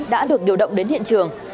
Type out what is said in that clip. đã được điều động đến hiện trường